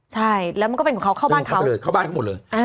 ใช่แล้วมันก็เป็นของเขาเข้าบ้านเขาเลยเข้าบ้านเขาหมดเลย